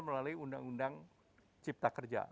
melalui undang undang cipta kerja